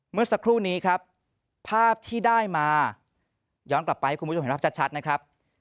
เมื่อสักครู่นี้ครับภาพที่ได้มาย้อนกลับไปให้คุณผู้ชมเห็นภาพชัดนะครับ